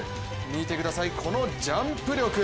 見てください、このジャンプ力。